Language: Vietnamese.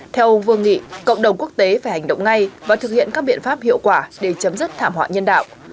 theo ông vương nghị cộng đồng quốc tế phải hành động ngay và thực hiện các biện pháp hiệu quả để chấm dứt thảm họa nhân đạo